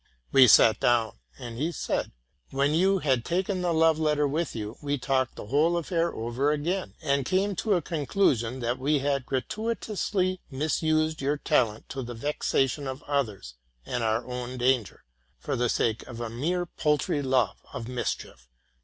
'' We sat down; and he said, '* When you had taken the love letter with you, we talked the whole affair over again, and came to a conclusion that we had gratuitously misused your talent to the vexation of others and our own danger, for the sake of a mere paltry love of mischief